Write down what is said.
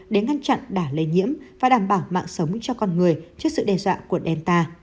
để ngăn chặn đà lây nhiễm và đảm bảo mạng sống cho con người trước sự đe dọa của delta